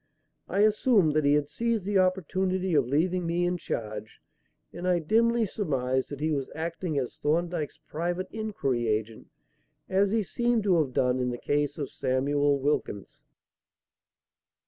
I assumed that he had seized the opportunity of leaving me in charge, and I dimly surmised that he was acting as Thorndyke's private inquiry agent, as he seemed to have done in the case of Samuel Wilkins.